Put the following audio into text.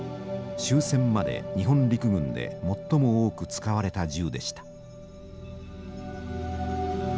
終戦まで日本陸軍で最も多く使われた銃でした。